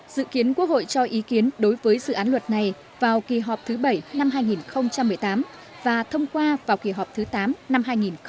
dự kiến quốc hội cho ý kiến đối với dự án luật này vào kỳ họp thứ bảy năm hai nghìn một mươi tám và thông qua vào kỳ họp thứ tám năm hai nghìn một mươi chín